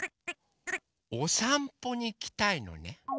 おさんぽにいきたいのね。